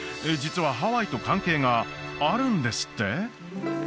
実はハワイと関係があるんですって？